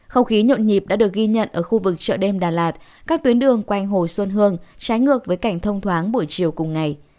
không khí nhộn nhịp đã được ghi nhận ở khu vực chợ đêm đà lạt các tuyến đường quanh hồ xuân hương trái ngược với cảnh thông thoáng buổi chiều cùng ngày